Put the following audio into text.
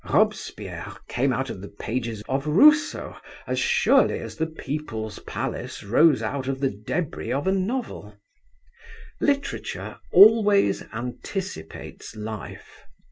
Robespierre came out of the pages of Rousseau as surely as the People's Palace rose out of the débris of a novel. Literature always anticipates life.